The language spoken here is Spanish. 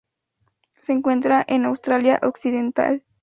Se encuentra en Australia Occidental.